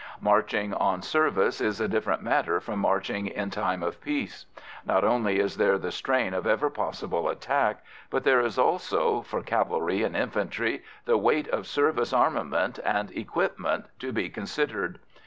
Marching on service is a different matter from marching in time of peace. Not only is there the strain of ever possible attack, but there is also, for cavalry and infantry, the weight of service armament and equipment to be considered.